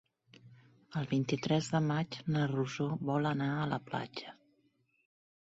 El vint-i-tres de maig na Rosó vol anar a la platja.